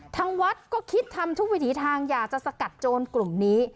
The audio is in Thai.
ทางวัดก็คิดทำทุกวิถีทางอยากจะสกัดโจรกลุ่มนี้